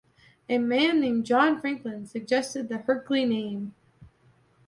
A man named John Franklin suggested the Herky name.